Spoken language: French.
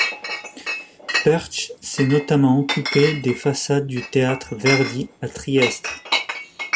Pertsch s'est notamment occupé des façades du Théâtre Verdi à Trieste.